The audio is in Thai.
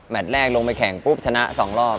แรกลงไปแข่งปุ๊บชนะ๒รอบ